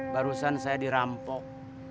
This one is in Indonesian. barusan saya dirampok